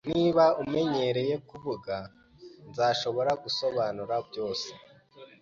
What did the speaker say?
Niba unyemereye kuvuga, nzashobora gusobanura byose.